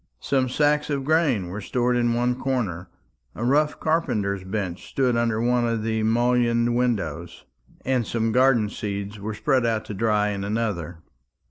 Some sacks of grain were stored in one corner, a rough carpenter's bench stood under one of the mullioned windows, and some garden seeds were spread out to dry in another.